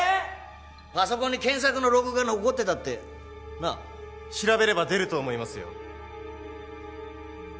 パソコンに検索のログが残ってたってなあ調べれば出ると思いますよ